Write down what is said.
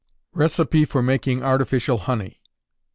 _Recipe for Making Artificial Honey.